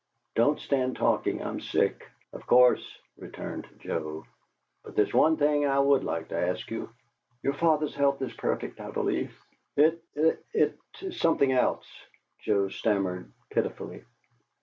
"Don't stand talking. I'm sick." "Of course," returned Joe. "But there's one thing I would like to ask you " "Your father's health is perfect, I believe." "It it it was something else," Joe stammered, pitifully.